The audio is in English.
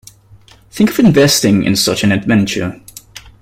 Think of investing in such an adventure.